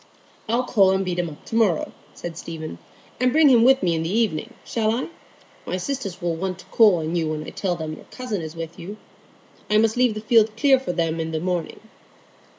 "I'll call and beat him up to morrow," said Stephen, "and bring him with me in the evening, shall I? My sisters will want to call on you when I tell them your cousin is with you. I must leave the field clear for them in the morning."